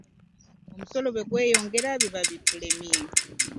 Omusolo bwe gweyongerako biba bitulemye.